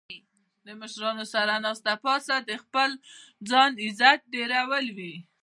د مشرانو سره ناسته پاسته د خپل ځان عزت ډیرول وي